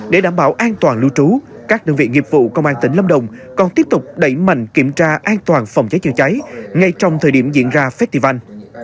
để đảm bảo an toàn lưu trú các đơn vị nghiệp vụ công an tỉnh lâm đồng còn tiếp tục đẩy mạnh kiểm tra an toàn phòng cháy chữa cháy ngay trong thời điểm diễn ra festival